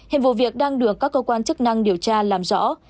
hiện vụ việc đang được các cơ quan chức năng điều tra làm rõ